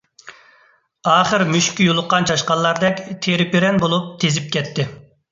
ئاخىر مۈشۈككە يولۇققان چاشقانلاردەك تىرىپىرەن بولۇپ تېزىپ كەتتى.